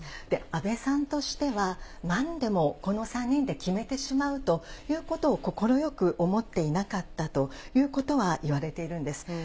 安倍さんとしては、なんでもこの３人で決めてしまうということを快く思っていなかったということはいわれているんです。